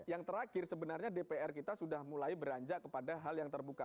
yang terakhir sebenarnya dpr kita sudah mulai beranjak kepada hal yang terbuka